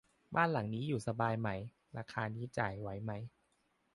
บ้านหลังนี้อยู่สบายไหม ราคานี้จ่ายไหวไหม